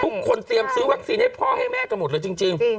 เตรียมซื้อวัคซีนให้พ่อให้แม่กันหมดเลยจริง